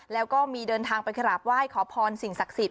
แล้วก็มีเดินทางไปกราบไหว้ขอพรสิ่งศักดิ์สิทธิ